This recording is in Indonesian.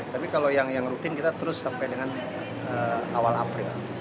tapi kalau yang rutin kita terus sampai dengan awal april